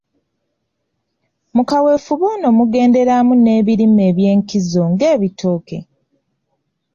Mu kaweefube ono mugenderamu n’ebirime ebyenkizo ng’ebitooke.